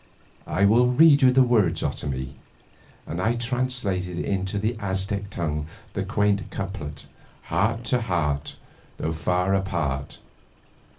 "I will read you the words, Otomie," and I translated into the Aztec tongue the quaint couplet: Heart to heart, Though far apart.